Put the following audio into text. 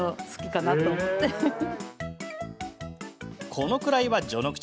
このくらいは序の口。